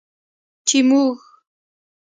چې موږ